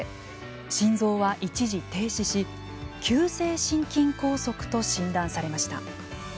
心臓は一時停止し急性心筋梗塞と診断されました。